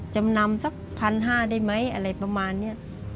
จำนำสัก๑๕๐๐ได้ไหมอะไรประมาณนี้